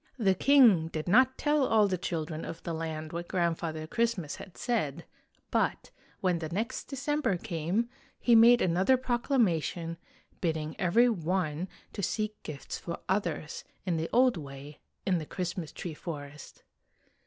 The king did not tell all the children of the land what Grandfather Christmas had said, but, when the next December came, he made another proclama tion, bidding every one to seek gifts for others, in the old way, in the Christmas tree forest.